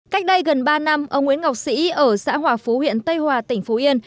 cách đây gần ba năm ông nguyễn ngọc sĩ ở xã hòa phú huyện tây hòa tỉnh phú yên